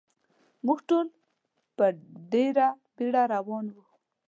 موږ ټول په ډېره بېړه روان و.